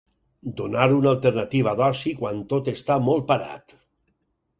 “Donar una alternativa d’oci quan tot està molt parat”.